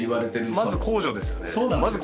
まず公助ですよね。